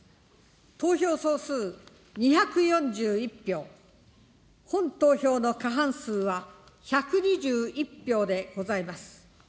投票総数２４１票、本投票の過半数は１２１票でございます。